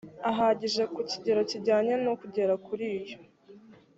ahagije ku kigero kijyanye n uko agera kuri iyo